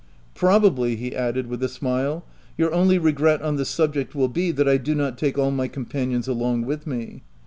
" Probably," he added, with a smile, "your only regret on the subject will be, that I do not take all my companions along with me.